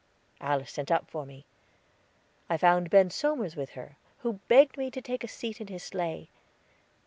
Alice sent up for me. I found Ben Somers with her, who begged me to take a seat in his sleigh.